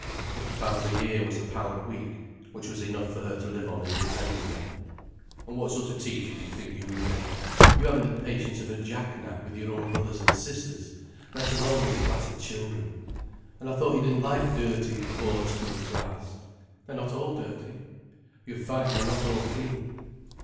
Fifty pounds a year was a pound a week—which was enough for her to live on independently. "And what sort of a teacher do you think you'd make? You haven't the patience of a Jack gnat with your own brothers and sisters, let alone with a class of children. And I thought you didn't like dirty, board school brats." "They're not all dirty." "You'd find they're not all clean."